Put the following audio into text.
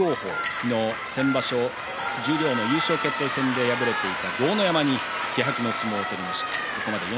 昨日、先場所の十両優勝決定戦で敗れた豪ノ山に気迫の相撲で勝ちました。